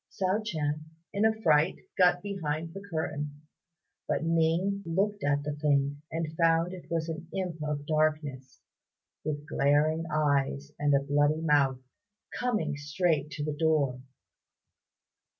Hsiao ch'ien in a fright got behind the curtain; but Ning looked at the thing, and found it was an imp of darkness, with glaring eyes and a bloody mouth, coming straight to the door.